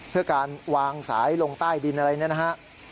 เพื่อการวางสายลงใต้ดินอะไรนะครับ